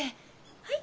はい？